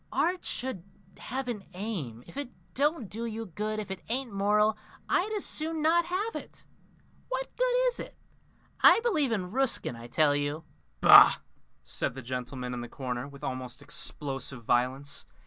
Art should have an aim. If it don't do you good, if it ain't moral, I'd as soon not have it. What good is it? I believe in Ruskin. I tell you " "Bah!" said the gentleman in the corner, with almost explosive violence.